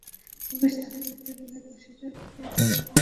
Police তাঁকে ধরতে গেলে পাশের খাদে ঝাঁপিয়ে পড়েও তিনি রেহাই পাননি।